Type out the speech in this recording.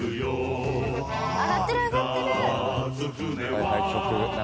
上がってる上がってる。